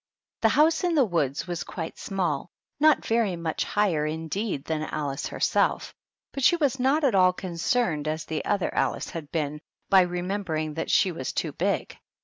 The house in the woods was quite small, not very much higher, indeed, than Alice herself; but she was not at all concerned, as the other Alice had been, by re membering that she was too big.